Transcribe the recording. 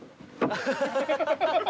ハハハハ。